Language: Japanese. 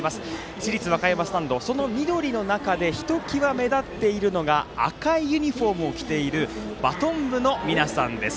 市立和歌山スタンドその緑の中でひときわ目立っているのが赤いユニフォームを着ているバトン部の皆さんです。